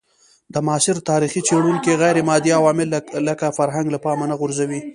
د معاصر تاریخ څېړونکي غیرمادي عوامل لکه فرهنګ له پامه نه غورځوي.